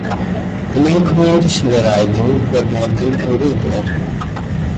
The main communities in the riding were Morden and Winkler.